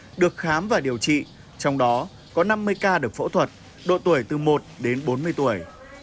bệnh nhân được khám và điều trị trong đó có năm mươi ca được phẫu thuật độ tuổi từ một đến bốn mươi tuổi